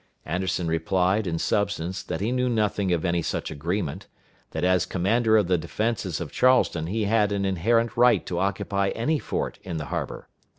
Anderson replied, in substance, that he knew nothing of any such agreement; that as commander of the defenses of Charleston he had an inherent right to occupy any fort in the harbor.